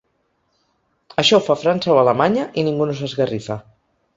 Això ho fa França o Alemanya, i ningú no s’esgarrifa.